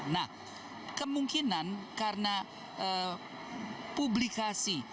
nah kemungkinan karena publikasi